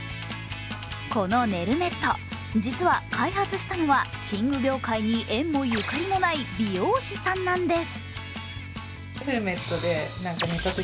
この、ねるメット実は開発したのは寝具業界に縁もゆかりもない美容師さんなんです。